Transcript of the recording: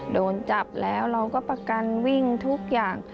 โดนจับแล้วเราก็ประกันวิ่งทุกอย่าง